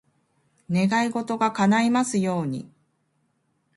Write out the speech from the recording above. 願い事が叶いますように。